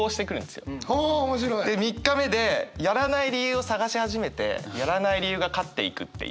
で３日目でやらない理由を探し始めてやらない理由が勝っていくっていう。